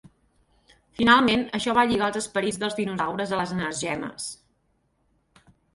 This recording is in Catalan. Finalment això va lligar els esperits dels dinosaures a les energemes.